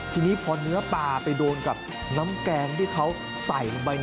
ทีนี้พอเนื้อปลาไปโดนกับน้ำแกงที่เขาใส่ลงไป